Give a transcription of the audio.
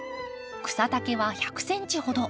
草丈は１００ｃｍほど。